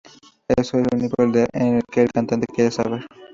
Eso es lo único que el cantante quiere saber.